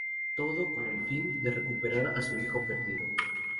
Todo con el fin de recuperar a su hijo perdido.